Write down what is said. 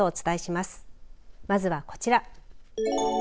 まずはこちら。